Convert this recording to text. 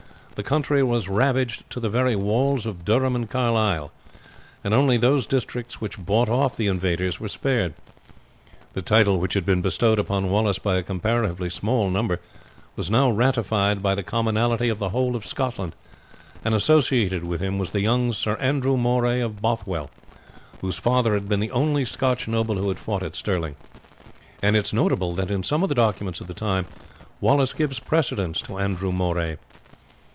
The country was ravaged to the very walls of Durham and Carlisle, and only those districts which bought off the invaders were spared. The title which had been bestowed upon Wallace by a comparatively small number was now ratified by the commonalty of the whole of Scotland; and associated with him was the young Sir Andrew Moray of Bothwell, whose father had been the only Scotch noble who had fought at Stirling, and it is notable that in some of the documents of the time Wallace gives precedence to Andrew Moray.